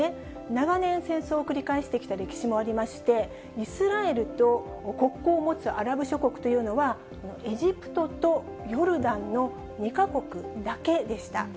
長年、戦争を繰り返してきた歴史もありまして、イスラエルと国交を持つアラブ諸国というのは、エジプトとヨルダンの２か国だけでした。